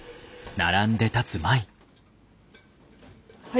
はい。